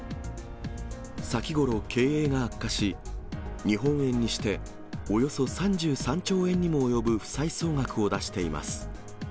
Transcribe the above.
先頃、経営が悪化し、日本円にしておよそ３３兆円にも及ぶ負債総額を出しています。